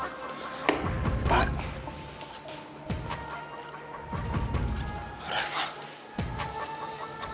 apa kalau aku herbs first